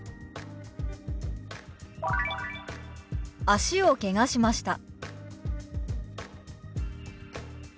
「脚をけがしました」。